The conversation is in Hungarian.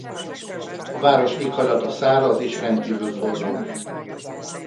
A város éghajlata száraz és rendkívül forró.